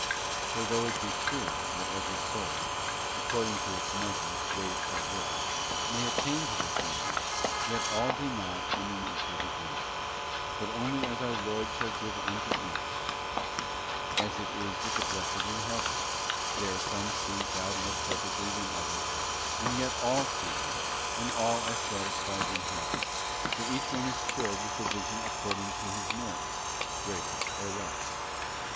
For though it be true that every soul, according to its measure, great or little, may attain to this union, yet all do not in an equal degree, but only as our Lord shall give unto each; as it is with the blessed in heaven, there some see Different*¥" God more perfectly than others, and yet all see Him and all degrees of perfect beatitude. Third point are satisfied and happy, for each one is filled with the vision according to his merits, greater or less.